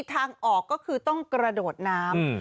ทางออกก็คือต้องกระโดดน้ำ